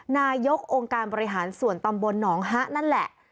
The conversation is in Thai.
นายกองค์การบริหารส่วนตำบลหนองฮะนั่นแหละ